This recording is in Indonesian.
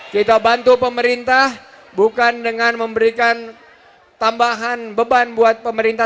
kita bantu pemerintah bukan dengan memberikan tambahan beban buat pemerintah